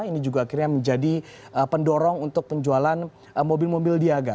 ini juga akhirnya menjadi pendorong untuk penjualan mobil mobil niaga